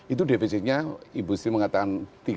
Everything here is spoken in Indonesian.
itu defisitnya ibu sri mengatakan tiga puluh dua